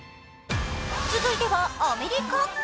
続いてはアメリカ。